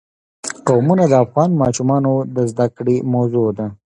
قومونه د افغان ماشومانو د زده کړې موضوع ده.